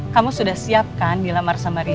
kamu sudah siap kan dilamar sama riza